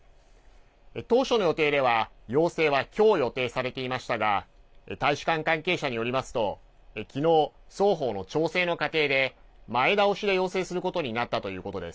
当初の予定では、要請はきょう予定されていましたが、大使館関係者によりますと、きのう双方の調整の過程で、前倒しで要請することになったということです。